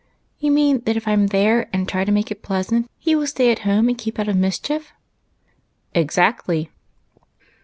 You mean that if I 'm there and try to make it pleasant, he will stay at home and keep out of mis chief?" " Exactly."